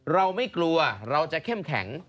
เราไม่กลัวเราจะเข้มแข็ง